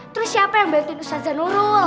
terus siapa yang bantuin nusa nurul